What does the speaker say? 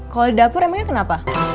kalau di dapur emang ini kenapa